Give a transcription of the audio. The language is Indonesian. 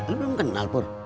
lo belum kenal pur